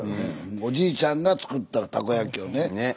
おじいちゃんが作ったたこ焼きをね。ね。